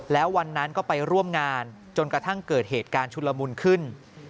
แล้ววันนั้นก็ไปร่วมงานจนกระทั่งเกิดเหตุการณ์ชุลมุนขึ้น